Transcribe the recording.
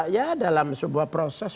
ya dalam sebuah proses